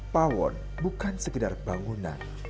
pawon bukan sekedar bangunan